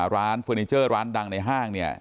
เฟอร์นิเจอร์ร้านดังในห้างเนี่ย